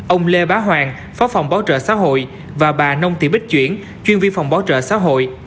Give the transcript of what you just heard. ông lê bá hoàng phó phòng bảo trợ xã hội và bà nông thị bích chuyển chuyên viên phòng bảo trợ xã hội